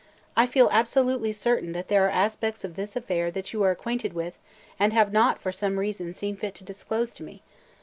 – I feel absolutely certain that there are aspects of this affair that you are acquainted with and have not, for some reason, seen fit to disclose to me.